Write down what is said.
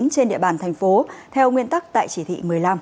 trên địa bàn thành phố theo nguyên tắc tại chỉ thị một mươi năm